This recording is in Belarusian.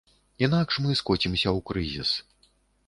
Інакш мы скоцімся ў крызіс.